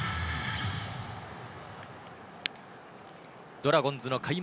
ドラゴンズの開幕